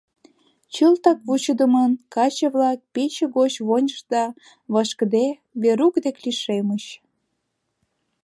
Чылтак вучыдымын каче-влак пече гоч вончышт да, вашкыде, Верук дек лишемыч.